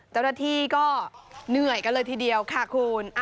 เจ้าหน้าที่ก็เหนื่อยกันเลยทีเดียวค่ะคุณ